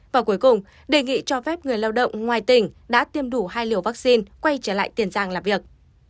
và cuối cùng đề nghị cho phép người lao động ngoài tỉnh đã tiêm đủ hai liều vaccine quay trở lại tiền giang làm việc